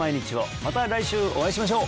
また来週お会いしましょう